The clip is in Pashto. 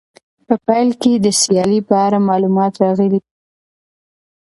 په پیل کې د سیالۍ په اړه معلومات راغلي دي.